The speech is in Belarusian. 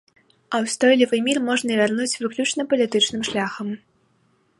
А ўстойлівы мір можна вярнуць выключна палітычным шляхам.